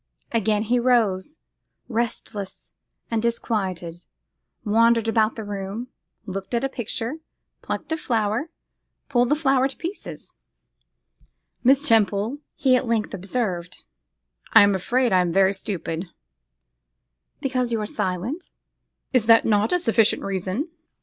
Again he rose, restless and disquieted, wandered about the room, looked at a picture, plucked a flower, pulled the flower to pieces. 'Miss Temple,' he at length observed, 'I am afraid I am very stupid!' 'Because you are silent?' 'Is not that a sufficient reason?